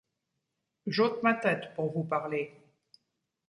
J’ôte ma tête pour vous parler.